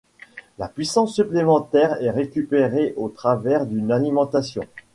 La puissance supplémentaire est récupérée au travers d'une alimentation.